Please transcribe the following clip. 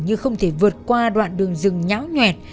như không thể vượt qua đoạn đường rừng nháo nhuệt